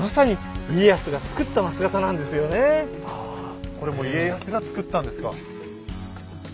まさにああこれも家康が造ったんですか。